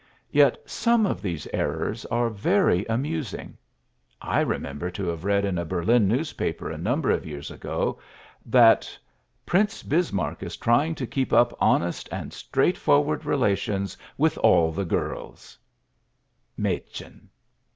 Yet some of these errors are very amusing. I remember to have read in a Berlin newspaper a number of years ago that "Prince Bismarck is trying to keep up honest and straightforward relations with all the girls" (madchen).